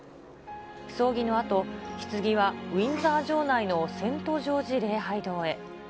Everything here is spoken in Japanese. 葬儀のあと、ひつぎはウィンザー城内のセントジョージ礼拝堂へ。